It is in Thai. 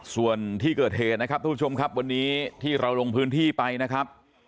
ส่วนที่เกิดเหตุนะครับทุกผู้ชมครับวันนี้ที่เราลงพื้นที่ไปนะครับ